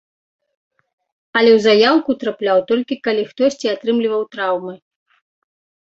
Але ў заяўку трапляў, толькі калі хтосьці атрымліваў траўмы.